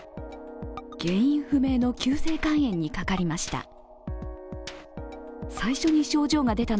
原因不明の急性肝炎にかかりました。